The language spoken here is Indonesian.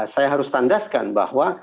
saya harus tandaskan bahwa